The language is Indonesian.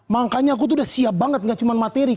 makanya aku tuh udah siap banget gak cuma materi